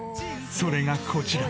それがこちら！